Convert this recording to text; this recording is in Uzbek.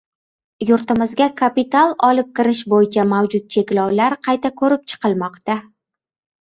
Yurtimizga kapital olib kirish bo‘yicha mavjud cheklovlar qayta ko‘rib chiqilmoqda.